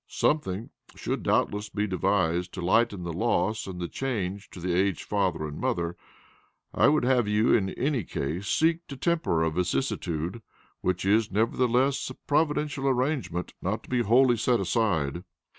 "Something should doubtless be devised to lighten the loss and the change to the aged father and mother. I would have you in any case seek to temper a vicissitude, which is nevertheless a providential arrangement not to be wholly set aside."